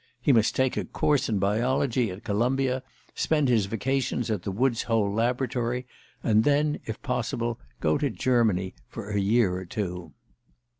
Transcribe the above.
He must take a course in biology at Columbia, spend his vacations at the Wood's Holl laboratory, and then, if possible, go to Germany for a year or two.